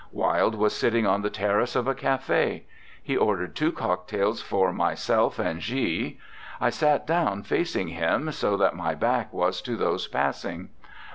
Wilde was sitting on the terrace of a cafe. He ordered two cocktails for myself and G . I sat down facing him, so that my back was to those passing.